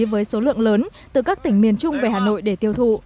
với số lượng lớn từ các tỉnh miền trung về hà nội để tiêu thụ